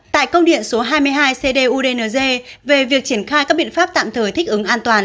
tại công điện số hai mươi hai cdudnc về việc triển khai các biện pháp tạm thời thích ứng an toàn